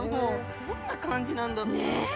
どんな感じなんだろう。ねえ。